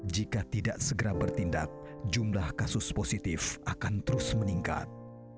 jika tidak segera bertindak jumlah kasus positif akan terus meningkat